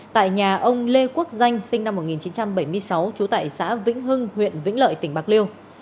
tại nhà ông lê quốc danh sinh năm một nghìn chín trăm bảy mươi sáu trú tại xã vĩnh hưng huyện vĩnh lợi tỉnh bạc liêu